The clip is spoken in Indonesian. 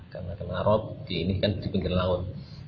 karena kena rob ini kan di pinggir laut